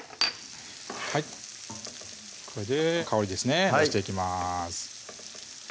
これで香りですね出していきます